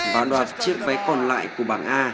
và đoạt chiếc vé còn lại của bảng a